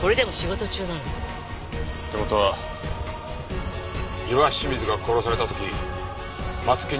これでも仕事中なの。って事は岩清水が殺された時松木にもアリバイがあった。